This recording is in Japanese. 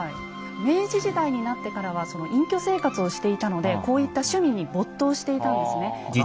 明治時代になってからはその隠居生活をしていたのでこういった趣味に没頭していたんですね。